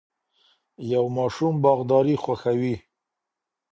یو ماشوم باغداري خوښوي.